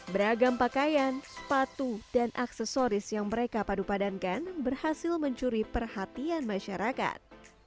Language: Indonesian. beragam pakaian sepatu dan aksesoris yang mereka padupadankan berhasil mencuri perhatian masyarakat